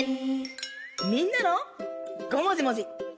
みんなの「ごもじもじ」。